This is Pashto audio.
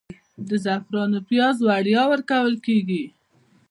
د زعفرانو پیاز وړیا ورکول کیږي؟